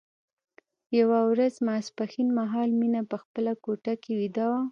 یوه ورځ ماسپښين مهال مينه په خپله کوټه کې ويده وه